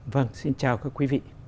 vâng xin chào các quý vị